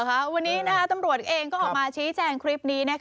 วันนี้ตำรวจเองก็ออกมาชี้แจงคลิปนี้